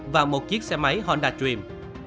và một chiếc xe máy honda dream